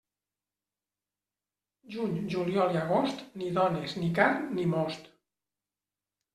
Juny, juliol i agost, ni dones, ni carn, ni most.